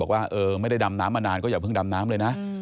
ว่าไม่ได้ดำน้ำมานานก็อย่าเพิ่งดำน้ำเลยนะ